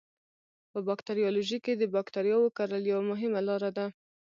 په باکتریالوژي کې د بکټریاوو کرل یوه مهمه لاره ده.